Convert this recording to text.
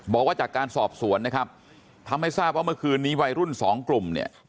บอกว่าจากการสอบสวนนะครับทำให้ทราบว่าเมื่อคืนนี้วัยรุ่นสองกลุ่มเนี่ย